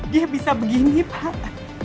dia bisa begini pak